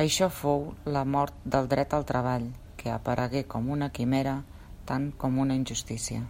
Això fou la mort del dret al treball, que aparegué com una quimera, tant com una injustícia.